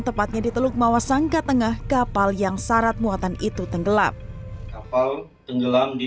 tepatnya di teluk mawasangka tengah kapal yang syarat muatan itu tenggelam kapal tenggelam di